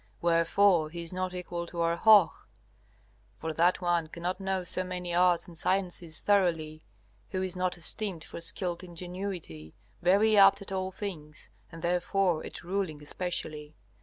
Wherefore he is not equal to our Hoh. For that one cannot know so many arts and sciences thoroughly, who is not esteemed for skilled ingenuity, very apt at all things, and therefore at ruling especially.